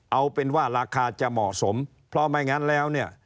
เอาเป็นว่าราคาจะเหมาะสมเพราะไม่งั้นแล้วเนี่ย